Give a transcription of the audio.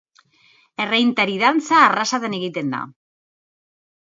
Erreeintari dantza Arrasaten egiten da.